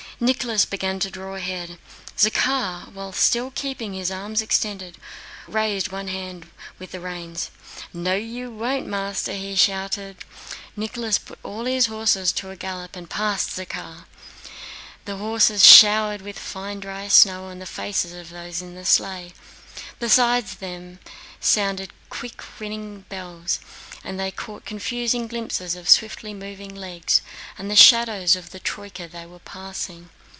Nicholas began to draw ahead. Zakhár, while still keeping his arms extended, raised one hand with the reins. "No you won't, master!" he shouted. Nicholas put all his horses to a gallop and passed Zakhár. The horses showered the fine dry snow on the faces of those in the sleigh—beside them sounded quick ringing bells and they caught confused glimpses of swiftly moving legs and the shadows of the troyka they were passing.